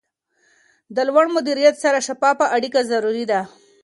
د لوړ مدیریت سره شفافه اړیکه ضروري ده.